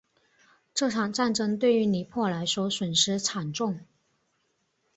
这场战争对于尼泊尔来说损失惨重。